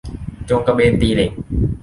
โจงกระเบนตีเหล็ก